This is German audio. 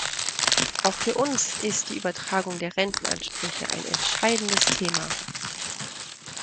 Auch für uns ist die Übertragung der Rentenansprüche ein entscheidendes Thema.